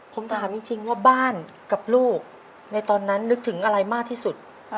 ผมถามจริงว่าบ้านกับลูกในตอนนั้นนึกถึงอะไรมากที่สุด